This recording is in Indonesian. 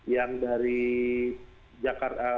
yang dari jakarta